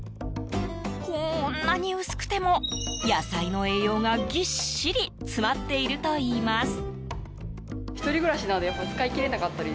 こんなに薄くても野菜の栄養がぎっしり詰まっているといいます。